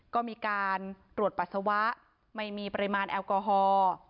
ก็มีการตรวจปัสสาวะไม่มีปริมาณแอลกอฮอล์